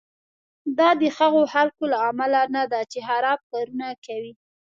دا د هغو خلکو له امله نه ده چې خراب کارونه کوي.